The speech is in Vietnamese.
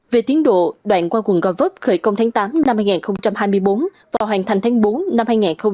về tiến độ đoạn qua quận gò vấp khởi công tháng tám năm hai nghìn hai mươi bốn và hoàn thành tháng bốn năm hai nghìn hai mươi